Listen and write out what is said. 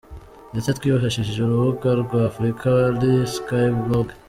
ndetse twifashishije urubuga rwa afrika-wali-skyblog.